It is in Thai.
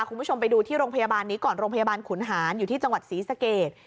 คุณผู้ชมไปดูที่โรงพยาบาลนี้ก่อนโรงพยาบาลขุนหารอยู่ที่จังหวัดศรีสเกต